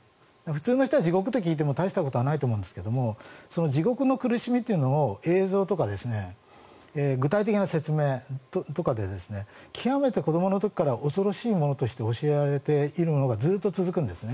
普通の人は地獄と聞いても大したことないと思いますが地獄の苦しみというのを映像とか、具体的な説明とかで極めて子どもの時から恐ろしいものとして教えられているのがずっと続くんです。